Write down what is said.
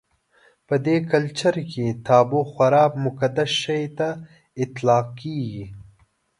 په دې کلچر کې تابو خورا مقدس شي ته اطلاقېږي.